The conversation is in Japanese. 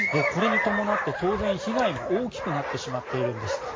これに伴って当然被害も大きくなってしまっているんです。